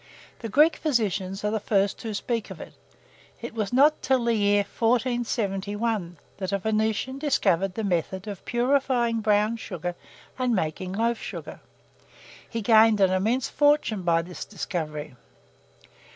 The Greek physicians are the first who speak of it. It was not till the year 1471 that a Venetian discovered the method of purifying brown sugar and making loaf sugar. He gained an immense fortune by this discovery.